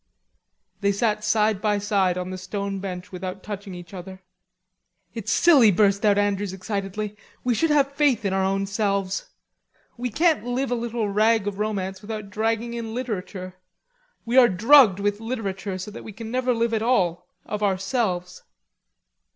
They sat side by side on the stone bench without touching each other. "It's silly," burst out Andrews excitedly. "We should have faith in our own selves. We can't live a little rag of romance without dragging in literature. We are drugged with literature so that we can never live at all, of ourselves."